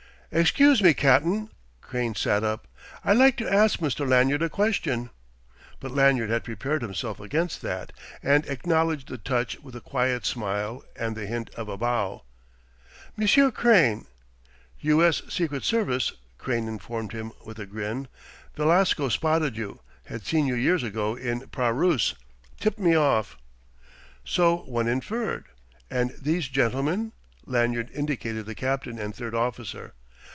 "Excuse me, cap'n." Crane sat up. "I'd like to ask Mr. Lanyard a question." But Lanyard had prepared himself against that, and acknowledged the touch with a quiet smile and the hint of a bow. "Monsieur Crane...." "U.S. Secret Service," Crane informed him with a grin. "Velasco spotted you had seen you years ago in Paruss tipped me off." "So one inferred. And these gentlemen?" Lanyard indicated the captain and third officer.